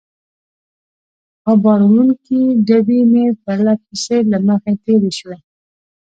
څو بار وړونکې ډبې مې پرله پسې له مخې تېرې شوې.